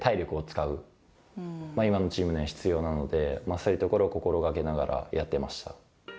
そういうところを心がけながらやってました。